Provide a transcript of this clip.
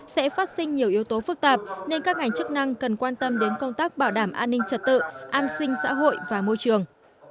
sẽ phát sinh nhiều yếu tố phức tạp nên các ngành chức năng cần quan tâm đến công tác bảo đảm an ninh trật tự an sinh xã hội và môi trường